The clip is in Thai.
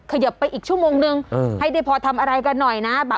ขยับไปอีกชั่วโมงหนึ่งเออให้เดพอร์ททำอะไรกันหน่อยนะครับ